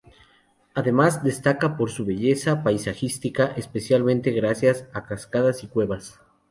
Además, destaca por su belleza paisajística, especialmente gracias a cascadas y cuevas.